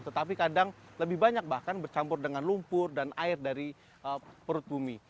tetapi kadang lebih banyak bahkan bercampur dengan lumpur dan air dari perut bumi